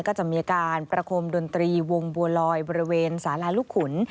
ก็จะมีการประคมดนตรีวงบัวลอยบริเวณสาราลูกขุน